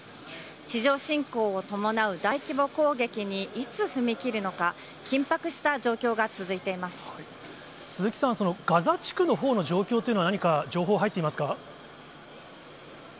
地上侵攻を伴う大規模攻撃にいつ踏み切るのか、鈴木さん、そのガザ地区の状況というのは、何か、情報入っていますか。